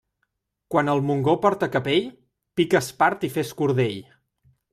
Quan el Montgó porta capell, pica espart i fes cordell.